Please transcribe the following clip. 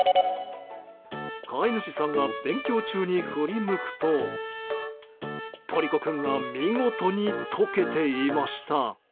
飼い主さんが勉強中に振り向くとポリコ君が見事に溶けていました。